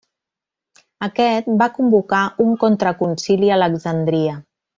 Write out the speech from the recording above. Aquest va convocar un contra concili a Alexandria.